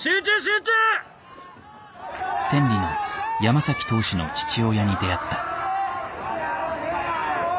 天理の山投手の父親に出会った。